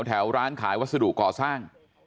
แถวร้านขายวัสดุก่อสร้าง